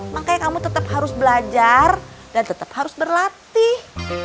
makanya kamu tetap harus belajar dan tetap harus berlatih